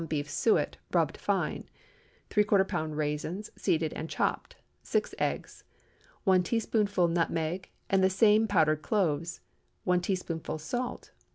beef suet, rubbed fine. ¾ lb. raisins, seeded and chopped. 6 eggs. 1 teaspoonful nutmeg and the same powdered cloves. 1 teaspoonful salt.